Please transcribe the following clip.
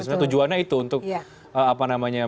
sebenarnya tujuannya itu untuk apa namanya